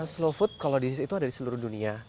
slow food kalau di situ ada di seluruh dunia